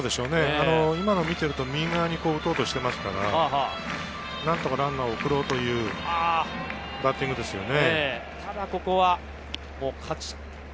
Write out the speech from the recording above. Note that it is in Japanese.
今のを見ていると右側に打とうとしていますから、何とかランナーを送ろうというバッティングですよね。